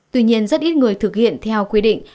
tuy nhiên rất ít người thực hiện theo quy định